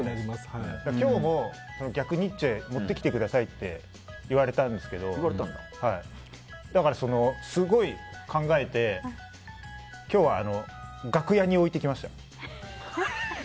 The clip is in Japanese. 今日も逆ニッチェ持ってきてくださいって言われたんですけどすごい考えて今日は楽屋に置いてきました。